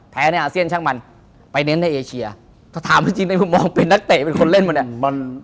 ในอาเซียนช่างมันไปเน้นในเอเชียถ้าถามจริงในมุมมองเป็นนักเตะเป็นคนเล่นมาเนี่ย